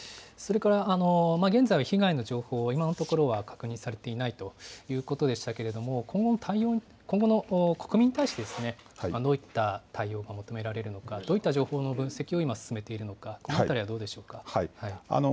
現在は被害の情報は今のところは確認されていないということでしたけれども今後の国民に対してどういった対応が求められるのか、どういった情報の分析を今、進めているのか、この辺りはどうでしょうか。